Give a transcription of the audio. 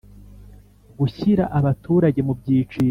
gushyira abaturage mu byiciro.